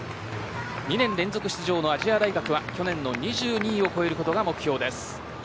２年連続の出場の亜細亜大学は去年の２２位を超えることが目標です。